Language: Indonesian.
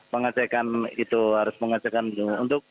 pengecekan itu harus pengecekan